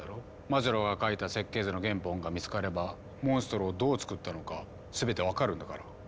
マズローが描いた設計図の原本が見つかればモンストロをどうつくったのか全て分かるんだから。